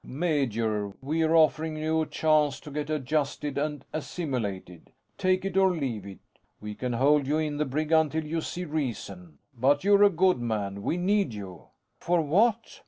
"Major, we're offering you a chance to get adjusted and assimilated. Take it or leave it. We can hold you in the brig until you see reason. But you're a good man. We need you." "For what?